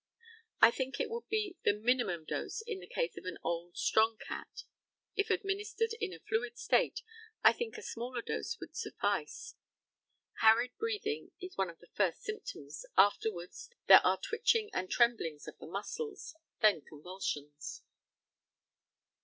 I think it would be the minimum dose in the case of an old strong cat. If administered in a fluid state I think a smaller dose would suffice. Harried breathing is one of the first symptoms, afterwards there are twitching and tremblings of the muscles, then convulsions.